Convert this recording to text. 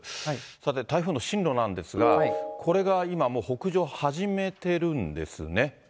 さて、台風の進路なんですが、これが今、もう北上を始めてるんですね。